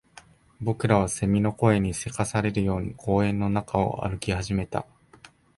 僕らは蝉の声に急かされるように公園の中を歩き始めた